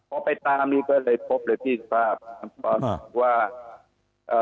พอไปตามมีก็เลยพบเลยพี่ภาพหรือว่าเอ่อ